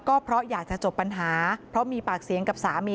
ก็เพราะอยากจะจบปัญหาเพราะมีปากเสียงกับสามี